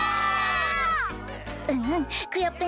うんうんクヨッペン